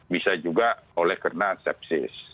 bisa juga oleh karena sepsis